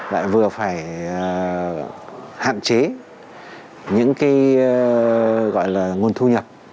lại vừa phải hạn chế những cái gọi là nguồn thu nhập